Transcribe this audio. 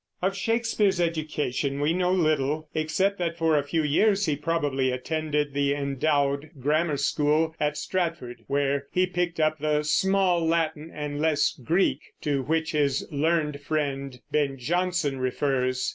Of Shakespeare's education we know little, except that for a few years he probably attended the endowed grammar school at Stratford, where he picked up the "small Latin and less Greek" to which his learned friend Ben Jonson refers.